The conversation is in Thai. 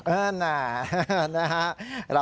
เออน่านะฮะ